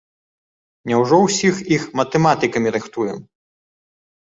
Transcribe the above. Няўжо ўсіх іх матэматыкамі рыхтуем?